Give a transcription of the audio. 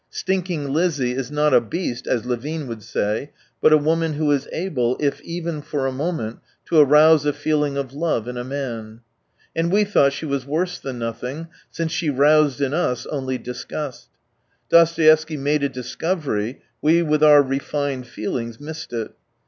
Stinking Lizzie is not a beast, as Levin would say, but a woman who is able, if even for a moment, to arouse a feeling of love in a man. And we thought she was worse than nothing, since she roused in us only disgust. Dostoevsky made a dis covery, we with our refined feelings missed it.